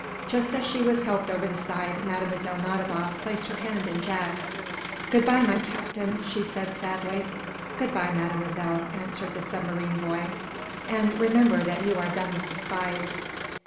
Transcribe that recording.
Just as she was helped over the side Mlle. Nadiboff placed her hand in Jack's. "Good bye, my Captain," she said, sadly. "Good bye, Mademoiselle," answered the submarine boy. "And remember that you are done with the spies."